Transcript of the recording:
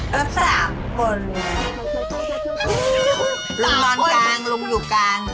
ลุงนอนกลางลุงอยู่กลาง